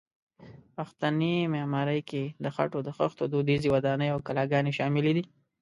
پښتني معمارۍ کې د خټو د خښتو دودیزې ودانۍ او کلاګانې شاملې دي.